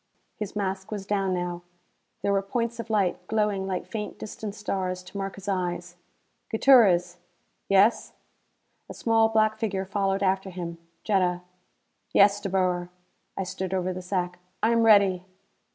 His mask was down now. There were points of light, glowing like faint distant stars, to mark his eyes. "Gutierrez." "Yes." A small black figure followed after him. Jetta. "Yes, De Boer." I stood over the sack. "I am ready."